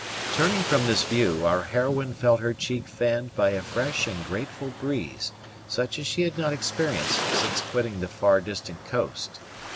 Turning from this view, our heroine felt her cheek fanned by a fresh and grateful breeze, such as she had not experienced since quitting the far distant coast.